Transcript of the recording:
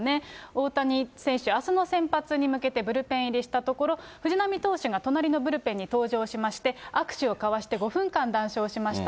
大谷選手、あすの先発に向けてブルペン入りしたところ、藤浪投手が隣のブルペンに登場しまして、握手を交わして、５分間談笑しました。